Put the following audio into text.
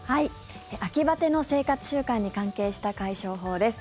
秋バテの生活習慣に関係した解消法です。